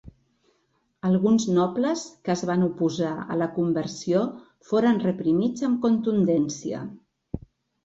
Alguns nobles que es van oposar a la conversió foren reprimits amb contundència.